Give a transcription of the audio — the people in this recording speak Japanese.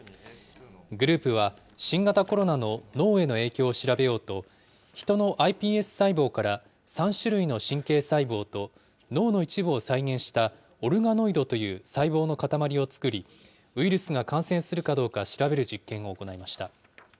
グループは新型コロナの脳への影響を調べようと、ヒトのｉＰＳ細胞から３種類の神経細胞と脳の一部を再現した、オルガノイドという細胞のかたまりを作り、ウイルスが感染するかどうか調べる実験を行いました。